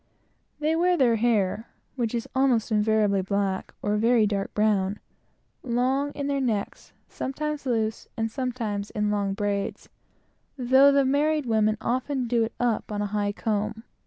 They wear their hair (which is almost invariably black, or a very dark brown) long in their necks, sometimes loose, and sometimes in long braids; though the married women often do it up on a high comb.